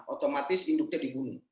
otomatis induknya dibunuh